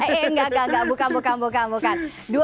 eh enggak enggak bukan bukan bukan